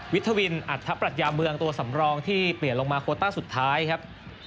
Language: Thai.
ทวินอัธปรัชญาเมืองตัวสำรองที่เปลี่ยนลงมาโคต้าสุดท้ายครับ